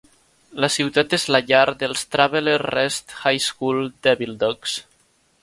La ciutat és la llar dels "Travelers Rest High School Devildogs".